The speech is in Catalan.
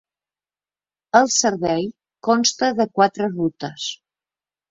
El servei consta de quatre rutes.